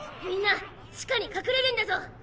みんな地下に隠れるんだゾ。